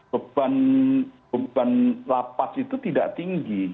beban lapas itu tidak tinggi